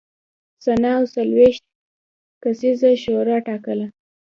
سنا او څلوېښت کسیزه شورا ټاکله.